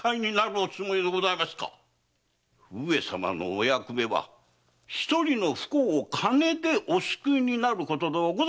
上様のお役目は一人の不幸を金でお救いになることではありません。